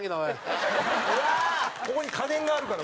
ここに家電があるから。